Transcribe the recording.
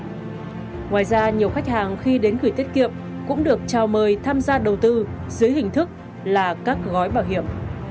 ngoài ra nhiều khách hàng khi đến gửi tiết kiệm cũng được trao mời tham gia đầu tư dưới hình thức là các gói bảo hiểm